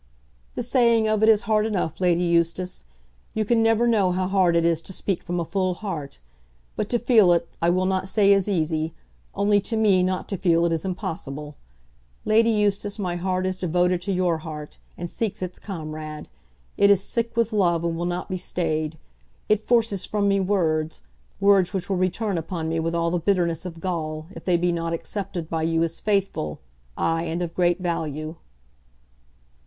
"The saying of it is hard enough, Lady Eustace. You can never know how hard it is to speak from a full heart. But to feel it, I will not say is easy; only to me, not to feel it is impossible. Lady Eustace, my heart is devoted to your heart, and seeks its comrade. It is sick with love and will not be stayed. It forces from me words, words which will return upon me with all the bitterness of gall, if they be not accepted by you as faithful, ay and of great value."